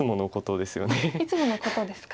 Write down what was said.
いつものことですか。